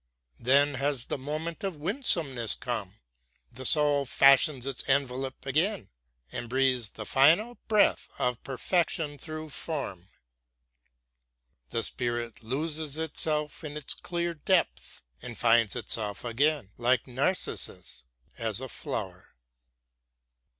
Then has the moment of winsomeness come, the soul fashions its envelop again, and breathes the final breath of perfection through form. The spirit loses itself in its clear depth and finds itself again, like Narcissus, as a flower.